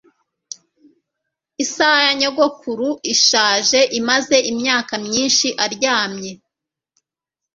isaha ya nyogokuru ishaje imaze imyaka myinshi aryamye